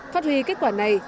phát huy kết quả này